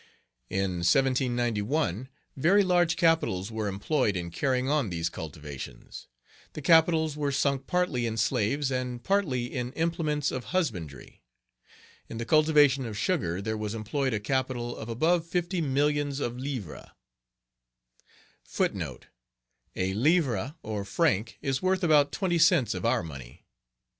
In 1791, very large capitals were employed in Page 19 carrying on these cultivations; the capitals were sunk partly in slaves and partly in implements of husbandry; in the cultivation of sugar there was employed a capital of above fifty millions of livres; A livre, or franc, is worth about twenty cents of our money.